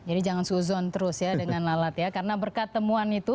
jadi jangan suzon terus ya dengan lalat ya karena berkat temuan itu